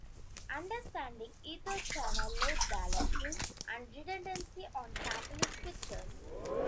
Understanding EtherChannel Load Balancing and Redundancy on Catalyst Switches.